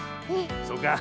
そうか。